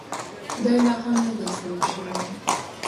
دی لا هم نه دی ستړی شوی.